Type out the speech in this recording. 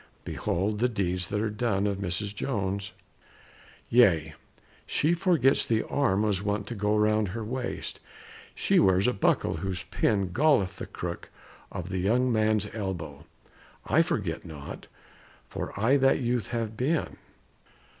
Behold the deeds that are done of Mrs. Jones! Yea! she forgets the arm was wont to go Around her waist. She wears a buckle whose pin Galleth the crook of the young man's elbòw; I forget not, for I that youth have been.